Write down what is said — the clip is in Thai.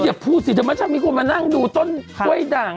ฮะอย่าพูดสิเธอไม่ใช่มีความมานั่งดูต้นกล้วยด่าง